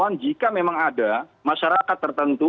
sekaligus juga jika memang ada masyarakat tertentu